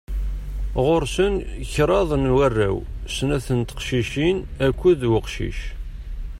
Ɣur-sen kraḍ n warraw: snat n teqcicin akked uqcic.